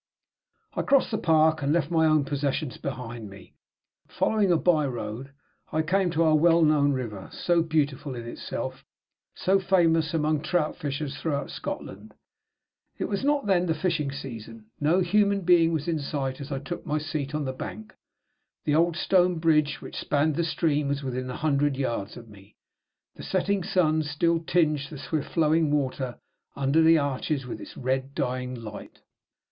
I crossed the park, and left my own possessions behind me. Following a by road, I came to our well known river; so beautiful in itself, so famous among trout fishers throughout Scotland. It was not then the fishing season. No human being was in sight as I took my seat on the bank. The old stone bridge which spanned the stream was within a hundred yards of me; the setting sun still tinged the swift flowing water under the arches with its red and dying light.